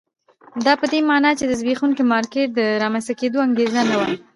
دا په دې معنی چې د زبېښونکي مارکېټ د رامنځته کېدو انګېزه نه وه.